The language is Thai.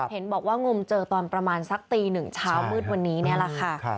เห็นบอกว่างมเจอตอนประมาณสักตีหนึ่งเช้ามืดวันนี้นี่แหละค่ะ